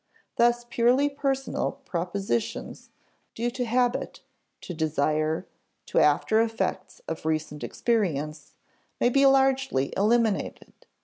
Thus purely personal prepossessions (due to habit, to desire, to after effects of recent experience) may be largely eliminated.